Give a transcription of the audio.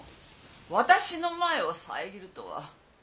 私の前を遮るとは。